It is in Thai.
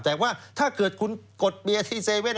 แต่ว่าถ้าเกิดคุณกดเบียร์ที่๗๑๑